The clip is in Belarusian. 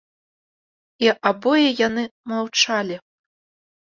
І абое яны маўчалі.